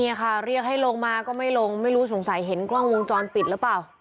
ค่ะเรียกให้ลงมาก็ไม่ลงไม่รู้สงสัยเห็นกล้องวงจรปิดหรือเปล่า